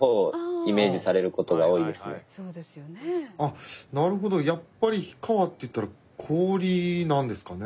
あっなるほどやっぱり「ひかわ」っていったら氷なんですかね？